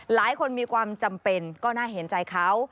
หลายคนมีความจำเป็นก็น่าเห็นใจเขา